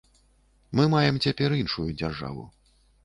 Мы маем цяпер іншую дзяржаву.